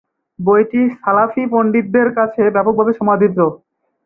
বইটি সালাফি পণ্ডিতদের কাছে ব্যাপকভাবে সমাদৃত।